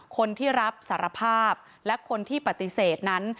คนที่รับสารภาพและคนที่ปฏิเสธนั้น